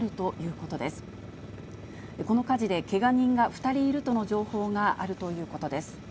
この火事で、けが人が２人いるとの情報があるということです。